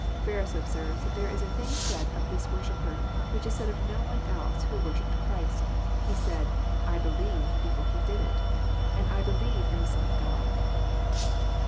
Ferns observes that there is a thing said of this worshipper which is said of no one else who "worshipped" Christ. He said, " I believe," before he did it, and I believe in the " Son of God."